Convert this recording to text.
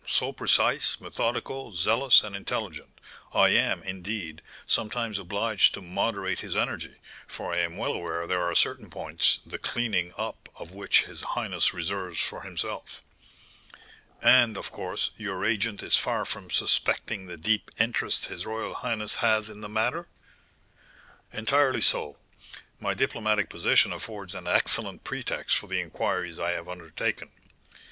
so precise, methodical, zealous, and intelligent! I am, indeed, sometimes obliged to moderate his energy; for I am well aware there are certain points, the clearing up of which his highness reserves for himself." "And, of course, your agent is far from suspecting the deep interest his royal highness has in the matter?" "Entirely so. My diplomatic position affords an excellent pretext for the inquiries I have undertaken.